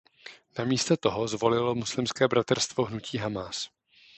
Namísto toho zvolilo Muslimské bratrstvo hnutí Hamás.